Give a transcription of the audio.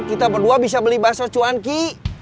kita berdua bisa beli bakso cuanki